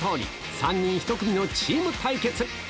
３人１組のチーム対決。